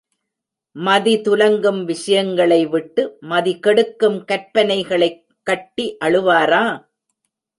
மதி துலங்கும் விஷயங்களை விட்டு, மதி கெடுக்கும் கற்பனைகளைக் கட்டி அழுவாரா?